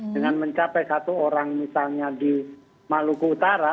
dengan mencapai satu orang misalnya di maluku utara